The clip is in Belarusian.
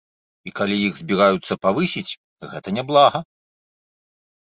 І калі іх збіраюцца павысіць, гэта няблага.